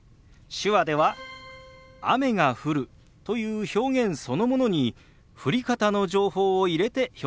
手話では「雨が降る」という表現そのものに降り方の情報を入れて表現するんです。